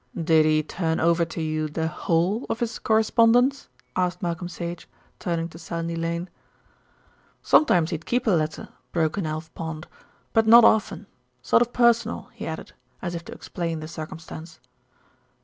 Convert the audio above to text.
"Did he turn over to you the whole of his correspondence?" asked Malcolm Sage, turning to Sandy Lane. "Sometimes he'd keep a letter," broke in Alf Pond, "but not often. Sort of personal," he added, as if to explain the circumstance.